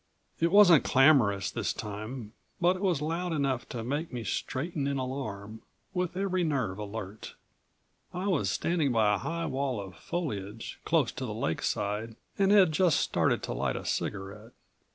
It wasn't clamorous this time, but it was loud enough to make me straighten in alarm, with every nerve alert. I was standing by a high wall of foliage, close to the lakeside and had just started to light a cigarette.